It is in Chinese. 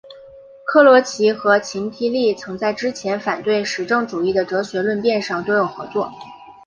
克罗齐和秦梯利曾在之前反对实证主义的哲学论辩上多有合作。